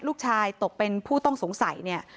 ลูกชายตกเป็นผู้ต้องสงสัยเนี่ย